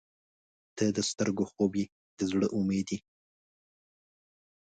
• ته د سترګو خوب یې، د زړه امید یې.